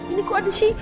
ini kok ada sih